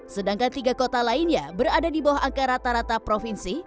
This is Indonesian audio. sedangkan tiga kota lainnya berada di bawah angka rata rata provinsi